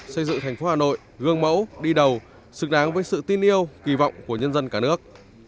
xây dựng thành phố hà nội gương mẫu đi đầu xứng đáng với sự tin yêu kỳ vọng của nhân dân cả nước